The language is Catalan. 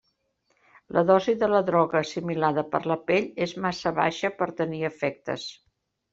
La dosi de la droga assimilada per la pell és massa baixa per tenir efectes.